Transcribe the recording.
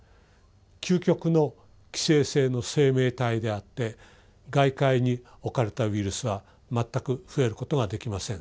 究極の寄生性の生命体であって外界に置かれたウイルスは全く増えることができません。